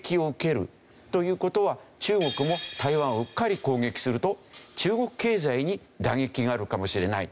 という事は中国も台湾をうっかり攻撃すると中国経済に打撃があるかもしれない。